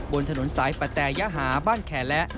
บนถนนสายปะแตยหาบ้านแข่และ